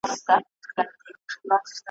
ویل بیا لېوني سوي محتسب او زاهد دواړه ,